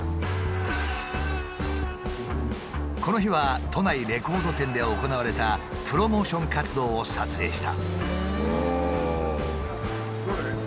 この日は都内レコード店で行われたプロモーション活動を撮影した。